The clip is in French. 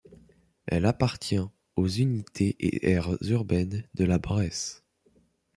Elle appartient aux unité et aire urbaines de La Bresse.